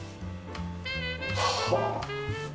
はあ。